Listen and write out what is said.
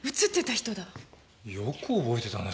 よく覚えてたね